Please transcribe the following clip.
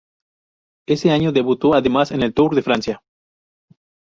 Ese año debutó además en el Tour de Francia.